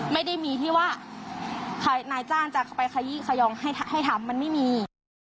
ไม่ได้มีที่ว่านายจ้างจะไปขยี้ขยองให้ทำมันไม่มี